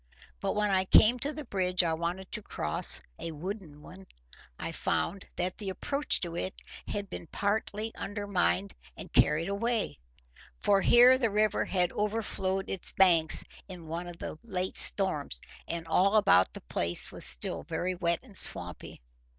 But when I came to the bridge I wanted to cross—a wooden one—I found that the approach to it had been partly undermined and carried away, for here the river had overflowed its banks in one of the late storms; and all about the place was still very wet and swampy.